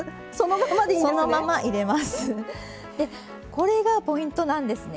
これがポイントなんですね。